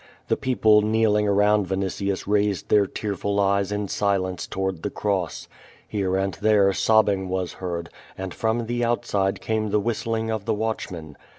The people kneeling around Yinitius raised their tearful eyes in silence toward the cross. Here and there sobbing was heard, and from the outside came the whistling of the watc?i men.